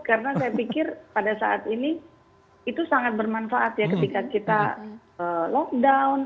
karena saya pikir pada saat ini itu sangat bermanfaat ya ketika kita lockdown